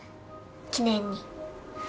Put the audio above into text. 記念に。